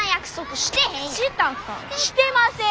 してません。